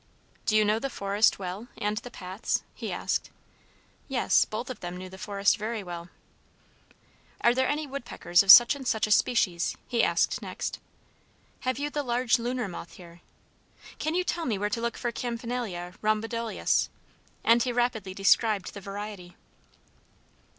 "Do you know the forest well, and the paths?" he asked. Yes, both of them knew the forest very well. "Are there any woodpeckers of such and such a species?" he asked next. "Have you the large lunar moth here? Can you tell me where to look for Campanila rhomboidalis?" and he rapidly described the variety.